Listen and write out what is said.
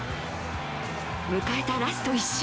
迎えたラスト１周。